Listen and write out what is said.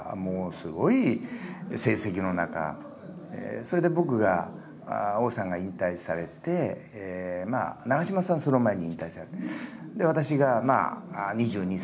それで僕が王さんが引退されて長嶋さんはその前に引退されて。